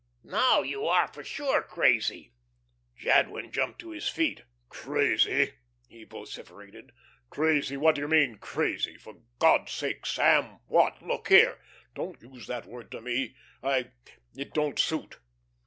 "Now you are for sure crazy." Jadwin jumped to his feet. "Crazy!" he vociferated. "Crazy! What do you mean? Crazy! For God's sake, Sam, what Look here, don't use that word to me. I it don't suit.